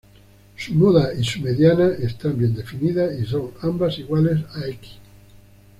Su moda y su mediana están bien definidas y son ambas iguales a x.